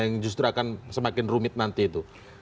yang justru akan semakin rumit nanti itu